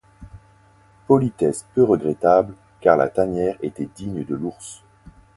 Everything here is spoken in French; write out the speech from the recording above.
Politesse peu regrettable, car la tanière était digne de l’ours.